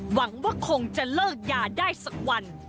หวังว่าคงจะเลิกยาได้สักวัน